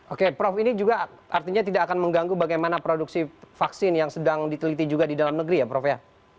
oke prof ini juga artinya tidak akan mengganggu bagaimana produksi vaksin yang sedang diteliti juga di dalam negeri ya prof ya